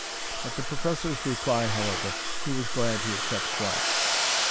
At the professor's reply, however, he was glad he had kept quiet.